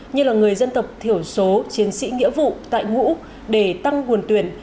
như là người dân tộc thiểu số chiến sĩ nghĩa vụ tại ngũ để tăng nguồn tuyển